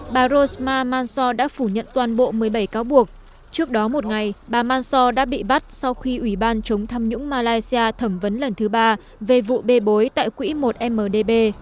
bà mansor đã bị bắt sau khi ủy ban chống thăm nhũng malaysia thẩm vấn lần thứ ba về vụ bê bối tại quỹ một mdb